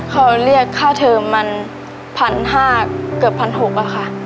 เขาเรียกค่าเทิมมันพันห้าเกือบพันหกอะค่ะ